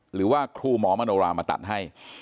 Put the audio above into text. หรือว่าครูหมอมโนรามาตัดให้